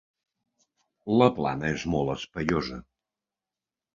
La Plana és molt espaiosa.